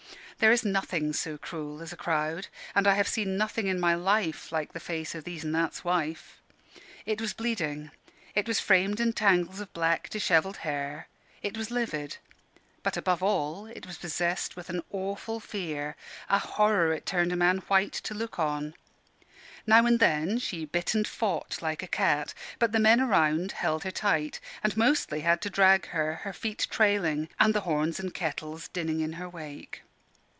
There is nothing so cruel as a crowd, and I have seen nothing in my life like the face of These an' That's wife. It was bleeding; it was framed in tangles of black, dishevelled hair; it was livid; but, above all, it was possessed with an awful fear a horror it turned a man white to look on. Now and then she bit and fought like a cat: but the men around held her tight, and mostly had to drag her, her feet trailing, and the horns and kettles dinning in her wake.